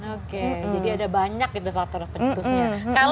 oke jadi ada banyak gitu faktor penyutusnya